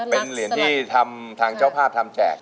เป็นเหรียญที่ทางเจ้าภาพทำแจก